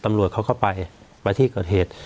ตำรวจเขาก็ไปไปที่เกิดเหตุ